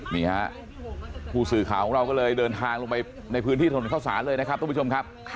นี่ฮะผู้สื่อข่าวของเราก็เลยเดินทางลงไปในพื้นที่ถนนเข้าสารเลยนะครับทุกผู้ชมครับ